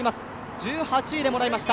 １８位でもらいました。